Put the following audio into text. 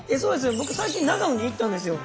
僕最近長野に行ったんですよ。